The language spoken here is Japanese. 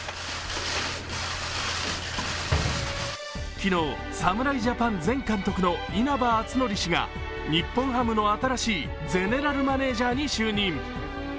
昨日、侍ジャパンの前監督の稲葉篤紀氏が日本ハムの新しいゼネラルマネージャーに就任。